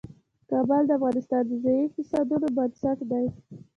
کابل د افغانستان د ځایي اقتصادونو بنسټ دی.